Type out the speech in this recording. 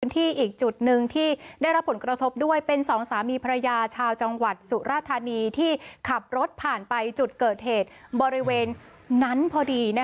ที่อีกจุดหนึ่งที่ได้รับผลกระทบด้วยเป็นสองสามีภรรยาชาวจังหวัดสุราธานีที่ขับรถผ่านไปจุดเกิดเหตุบริเวณนั้นพอดี